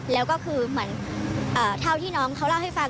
แล้วก็คือเหมือนเท่าที่น้องเขาเล่าให้ฟัง